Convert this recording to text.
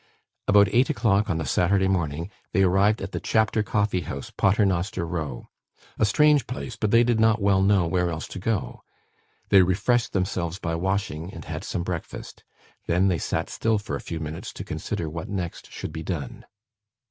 About eight o'clock on the Saturday morning, they arrived at the Chapter Coffee house, Paternoster Row a strange place, but they did not well know where else to go. They refreshed themselves by washing, and had some breakfast. Then they sat still for a few minutes, to consider what next should be done.